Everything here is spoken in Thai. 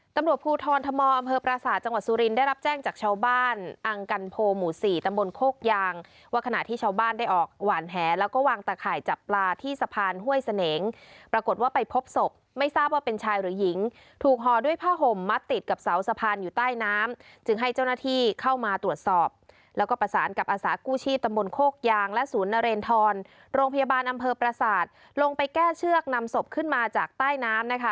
ตำรวจภูทรธมอบอำเภอปราศาสตร์จังหวัดสุรินทร์ได้รับแจ้งจากชาวบ้านอังกันโพหมู่สี่ตำบนโคกยางว่าขณะที่ชาวบ้านได้ออกหวานแหลแล้วก็วางตะข่ายจับปลาที่สะพานห้วยเสนงปรากฏว่าไปพบสบไม่ทราบว่าเป็นชายหรือหญิงถูกหอด้วยผ้าห่มมัดติดกับเสาสะพานอยู่ใต้น้ำจึงให้เจ้าหน